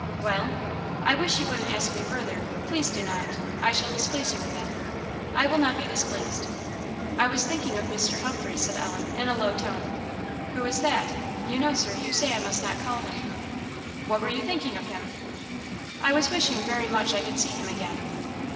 "Well?" "I wish you wouldn't ask me further; please do not. I shall displease you again." "I will not be displeased." "I was thinking of Mr. Humphreys," said Ellen, in a low tone. "Who is that?" "You know, Sir; you say I must not call him " "What were you thinking of him?" "I was wishing very much I could see him again."